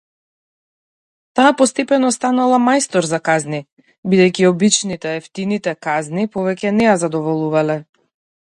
Таа постепено станала мајстор за казни, бидејќи обичните, евтините казни повеќе на ја задоволувале.